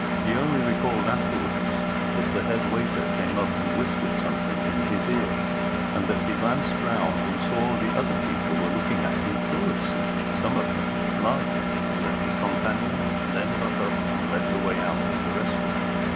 He only recalled afterwards that the head waiter came up and whispered something in his ear, and that he glanced round and saw the other people were looking at him curiously, some of them laughing, and that his companion then got up and led the way out of the restaurant.